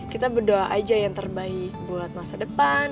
kita berdoa aja yang terbaik buat masa depan